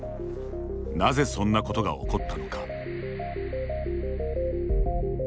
なぜそんなことが起こったのか。